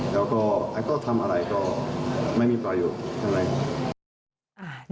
แล้วก็ทำอะไรไม่มีประโยชน์